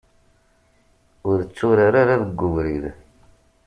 Ur tturar ara deg ubrid.